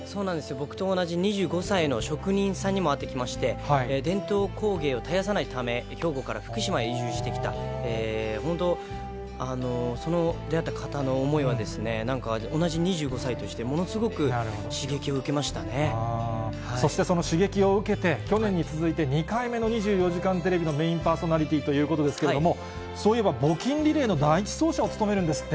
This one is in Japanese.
僕と同じ２５歳の職人さんにも会ってきまして、伝統工芸を絶やさないため、兵庫から福島へ移住してきた、本当、その出会った方の想いは、なんか同じ２５歳として、ものすごく刺そして、その刺激を受けて、去年に続いて２回目の２４時間テレビのメインパーソナリティーということなんですけれども、そういえば募金リレーの第１走者を務めるんですって？